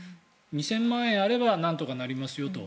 ２０００万円あればなんとかなりますよと。